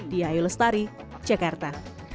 di ayolestari jakarta